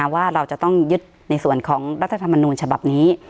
ว่าเราจะต้องยึดในส่วนของรัฐธรรมนูญฉบับนี้